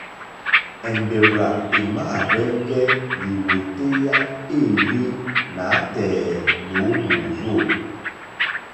Èmbèrzà èmàáhwɛ́ŋgɛ́ lìwòtéyá éèyé nǎtɛ̀ɛ̀ nǒ mòrzô.